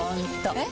えっ？